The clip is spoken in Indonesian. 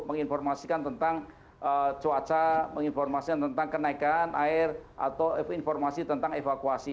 menginformasikan tentang cuaca menginformasikan tentang kenaikan air atau informasi tentang evakuasi